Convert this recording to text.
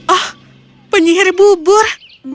oh penyihir bubur